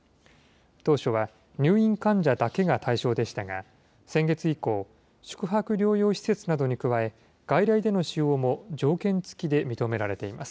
当初は入院患者だけが対象でしたが、先月以降、宿泊療養施設などに加え、外来での使用も条件付きで認められています。